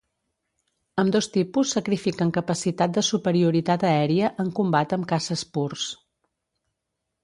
Ambdós tipus sacrifiquen capacitat de superioritat aèria en combat amb caces purs.